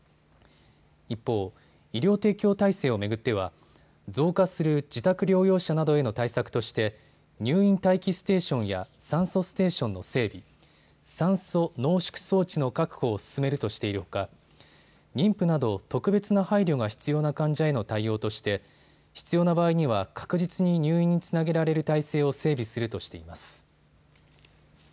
一方、医療提供体制を巡っては増加する自宅療養者などへの対策として入院待機ステーションや酸素ステーションの整備、酸素濃縮装置の確保を進めるとしているほか妊婦など特別な配慮が必要な患者への対応として必要な場合には確実に入院につなげられる体制を整備するとしています。